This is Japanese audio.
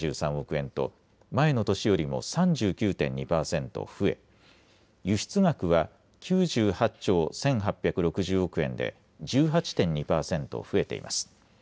円と前の年よりも３９．２％増え、輸出額は９８兆１８６０億円で１８．２％増えています。